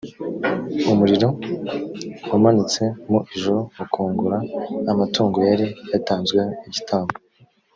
umuriro wamanutse mu ijuru ukongora amatungo yari yatanzweho igitambo